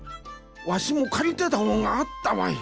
わしもかりてたほんがあったわい。